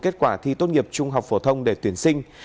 kết quả thi tốt nghiệp trung học phổ thông để tuyển sinh